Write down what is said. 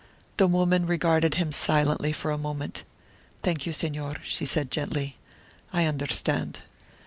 The woman regarded him silently for a moment. "Thank you, Señor," she said, gently; "I understand.